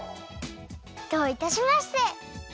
どういたしまして！